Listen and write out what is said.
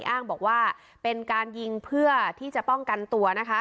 อ้างบอกว่าเป็นการยิงเพื่อที่จะป้องกันตัวนะคะ